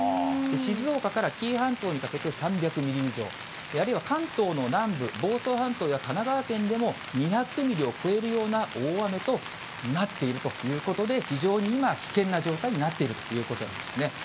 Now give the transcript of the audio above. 静岡から紀伊半島にかけて３００ミリ以上、あるいは関東の南部、房総半島や神奈川県でも、２００ミリを超えるような大雨となっているということで、非常に今は危険な状態になっているということなんですね。